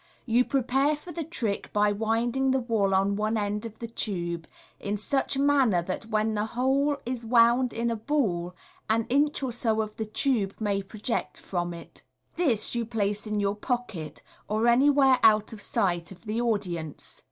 You prepare for the trick by winding the wool on one end of the tube, in such manner that when the whole is wound in a ball, an inch or so of the tube may project trom it. This you place in your pocket, or anywhere out of sight of the audience.